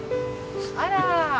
あら。